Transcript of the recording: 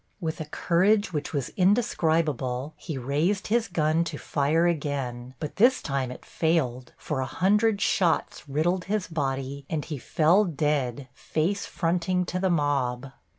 With a courage which was indescribable, he raised his gun to fire again, but this time it failed, for a hundred shots riddled his body, and he fell dead face fronting to the mob.